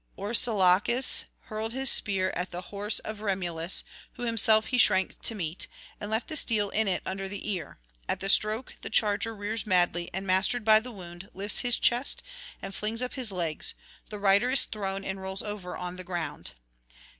Orsilochus hurled his spear at the horse of Remulus, whom himself he shrank to meet, and left the steel in it under the ear; at the stroke the charger rears madly, and, mastered by the wound, lifts his chest and flings up his legs: the rider is thrown and rolls over on the ground.